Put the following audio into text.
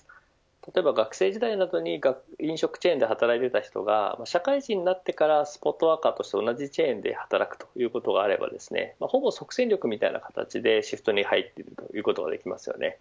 例えば、学生時代などに飲食チェーンで働いていた人が社会人になってからスポットワーカーとして同じチェーンで働くということであればほぼ即戦力みたいな形でシフトに入ることができます。